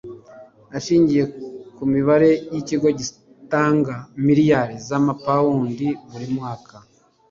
ashingiye ku mibare yikigo gitanga miliyari zamapawundi buri mwaka